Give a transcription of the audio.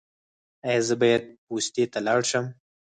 ایا زه باید پوستې ته لاړ شم؟